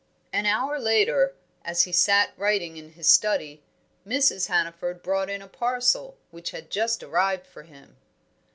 An hour later, as he sat writing in his study, Mrs. Hannaford brought in a parcel, which had just arrived for him.